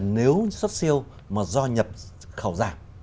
nếu xuất siêu mà do nhập khẩu giảm